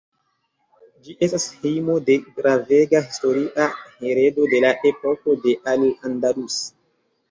Ĝi estas hejmo de gravega historia heredo de la epoko de Al Andalus.